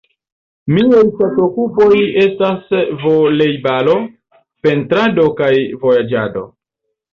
Miaj ŝatokupoj estas volejbalo, pentrado kaj vojaĝado.